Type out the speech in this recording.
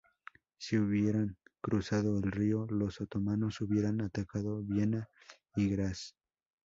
Si hubieran cruzado el río, los otomanos hubieran atacado Viena y Graz.